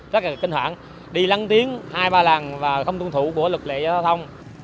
rất là kinh thoảng đi lăn tiếng hai ba lần và không tuân thủ bộ lực lệ giao thông